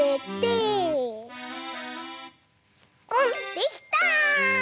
できた。